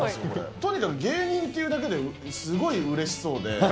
とにかく芸人というだけですごいうれしそうで。